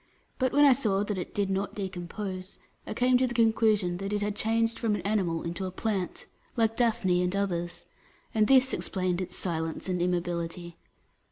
But when I saw that it did not decompose, I came to the conclu sion that it had changed from an animal into a plant, like Daphne and others ; and this explained its silence and immobility.